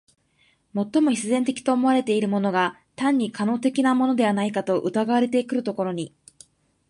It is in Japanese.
最も必然的と思われているものが単に可能的なものではないかと疑われてくるところに、